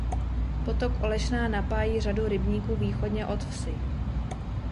Potok Olešná napájí řadu rybníků východně od vsi.